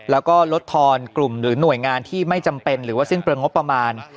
แล้วก็ลดทอนกลุ่มหรือหน่วยงานที่ไม่จำเป็นหรือว่าสิ้นเปลืองงบประมาณ